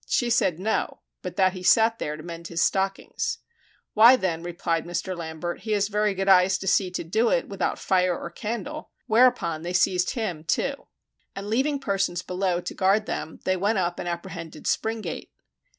She said no, but that he sat there to mend his stockings. Why, then, replied Mr. Lambert, he has very good eyes to see to do it without fire or candle, whereupon they seized him too. And leaving persons below to guard them, they went up and apprehended Springate.